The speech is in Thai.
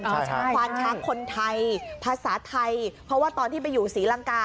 ควานช้างคนไทยภาษาไทยเพราะว่าตอนที่ไปอยู่ศรีลังกา